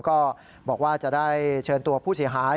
ก็บอกว่าจะได้เชิญตัวผู้เสียหาย